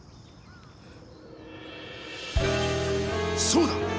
そうだ！